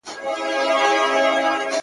o مړی ئې غيم، زه خپل ياسين پر تېزوم٫